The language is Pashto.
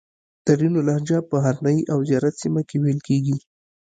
ترینو لهجه په هرنایي او زیارت سیمه کښې ویل کیږي